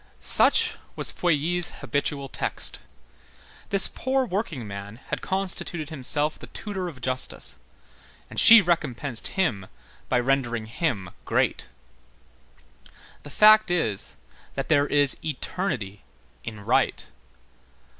Such was Feuilly's habitual text. This poor workingman had constituted himself the tutor of Justice, and she recompensed him by rendering him great. The fact is, that there is eternity in right.